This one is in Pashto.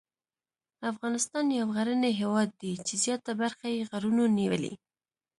افغانستان یو غرنی هېواد دی چې زیاته برخه یې غرونو نیولې.